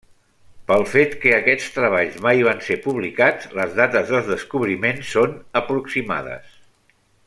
Pel fet que aquests treballs mai van ser publicats les dates dels descobriments són aproximades.